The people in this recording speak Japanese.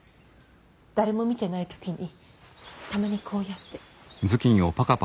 誰も見てない時にたまにこうやって。